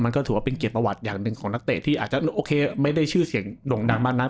ถือว่าเป็นเกียรติประวัติอย่างหนึ่งของนักเตะที่อาจจะโอเคไม่ได้ชื่อเสียงด่งดังมากนัก